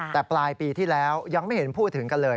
แต่ปลายปีที่แล้วยังไม่เห็นพูดถึงกันเลย